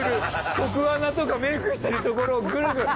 局アナとかメイクしてるところをグルグル。